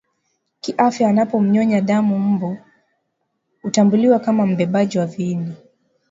kiafya anapomnyonya damu Mbu hutambuliwa kama mbebaji wa viini